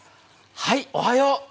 はい、おはよう。